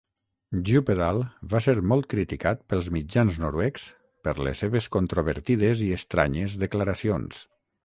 Djupedal va ser molt criticat pels mitjans noruecs per les seves controvertides i estranyes declaracions.